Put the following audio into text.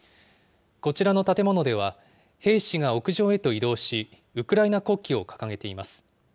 こちらの建物では、兵士が屋上へと移動し、ウクライナ国旗を掲げています。